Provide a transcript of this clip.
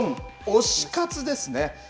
推し活ですね。